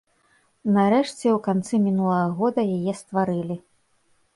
Нарэшце, у канцы мінулага года яе стварылі.